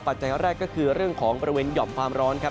จัยแรกก็คือเรื่องของบริเวณหย่อมความร้อนครับ